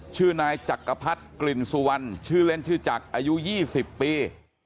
ชื่อนายจักกะพัดกลิ่นสุวรรณชื่อเล่นชื่อจักอายุยี่สิบปี